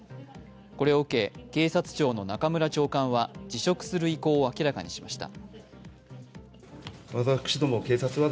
これを受け、警察庁の中村長官は辞職する意向を明らかにしました。